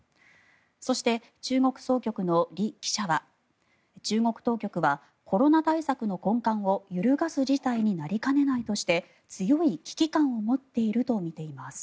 そして中国総局のリ記者は中国当局はコロナ対策の根幹を揺るがす事態になりかねないとして強い危機感を持っているとみています。